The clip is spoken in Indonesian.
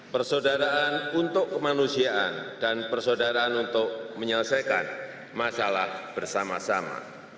persaudaraan untuk kemanusiaan dan persaudaraan untuk menyelesaikan masalah bersama sama